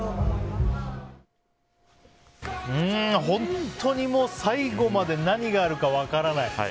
本当に最後まで何があるか分からない。